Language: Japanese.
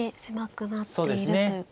そうですね。